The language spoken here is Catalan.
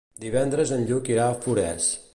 Divendres en Lluc irà a Forès.